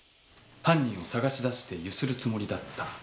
犯人を捜し出して強請るつもりだった。